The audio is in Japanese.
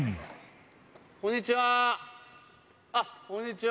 こんにちは。